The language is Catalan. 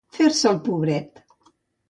Fer-se el pobret.